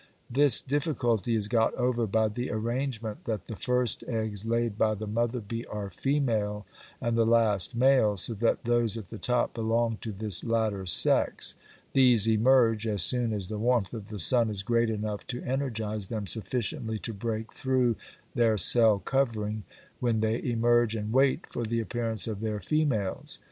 This difficulty is got over by the arrangement that the first eggs laid by the mother bee are female and the last male, so that those at the top belong to this latter sex; these emerge as soon as the warmth of the sun is great enough to energize them sufficiently to break through their cell covering, when they emerge and wait for the appearance of their females.